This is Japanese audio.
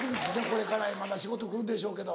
これからまた仕事くるでしょうけど。